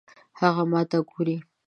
هغه ماته ګوري